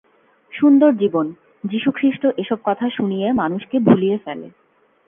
সুন্দর জীবন, যিশুখ্রিস্ট এসব কথা শুনিয়ে মানুষকে ভুলিয়ে ফেলে।